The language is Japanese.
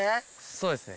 そうですね。